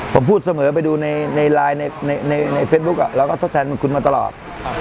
ผมพูดเสมอไปดูในไลน์ในเฟซบุ๊คเราก็ทดแทนคุณมาตลอด